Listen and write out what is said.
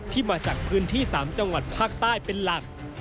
มาจากพื้นที่๓จังหวัดภาคใต้เป็นหลัก